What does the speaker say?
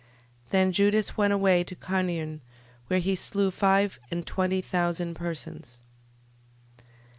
12:26. Then Judas went away to Carnion, where he slew five and twenty thousand persons.